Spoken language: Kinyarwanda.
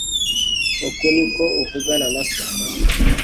Uku niko uvugana na so?